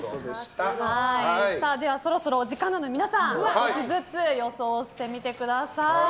では、そろそろお時間なので皆さん少しずつ予想してみてください。